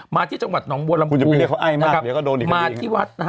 มาที่จังหวัดแห่งโบวรัมปูมาที่วัด